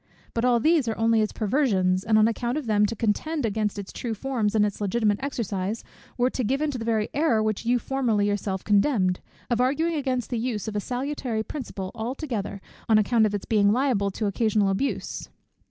But all these are only its perversions; and on account of them to contend against its true forms, and its legitimate exercise, were to give into the very error which you formerly yourself condemned, of arguing against the use of a salutary principle altogether, on account of its being liable to occasional abuse.